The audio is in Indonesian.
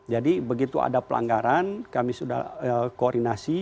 jadi begitu ada pelanggaran kami sudah koordinasi